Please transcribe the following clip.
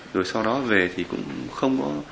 rồi sau đó về thì cũng không có